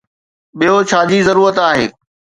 ٻيو ڇا جي ضرورت آهي؟